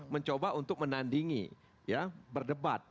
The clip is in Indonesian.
mencoba untuk menandingi berdebat